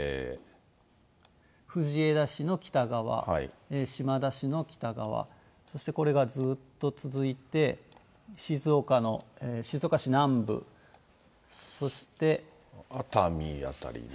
藤枝市の北側、島田市の北側、そしてこれがずーっと続いて、静岡市南部、そして。熱海辺りも。